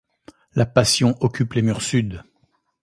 La Passion occupe les murs sud.